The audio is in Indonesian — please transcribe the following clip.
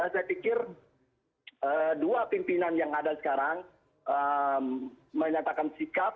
saya pikir dua pimpinan yang ada sekarang menyatakan sikap